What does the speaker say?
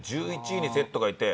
１１位にセットがいて。